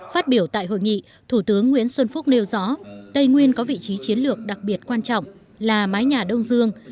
phát biểu tại hội nghị thủ tướng nguyễn xuân phúc nêu rõ tây nguyên có vị trí chiến lược đặc biệt quan trọng là mái nhà đông dương